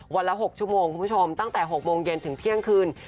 ละ๖ชั่วโมงคุณผู้ชมตั้งแต่๖โมงเย็นถึงเที่ยงคืน